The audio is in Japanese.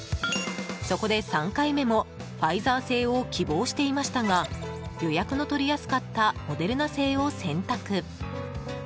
そこで３回目もファイザー製を希望していましたが予約の取りやすかったモデルナ製を選択。